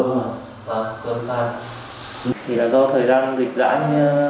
cơ quan công an